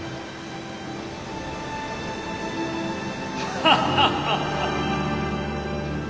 ハハハハハ！